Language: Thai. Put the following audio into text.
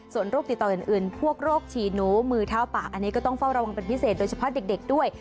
ส่วนโรคติดต่ออื่นพวกโรคฉี่หนูมือเท้าปากอันนี้ก็ต้องเฝ้าระวังเป็นพิเศษโดยเฉพาะเด็กด้วย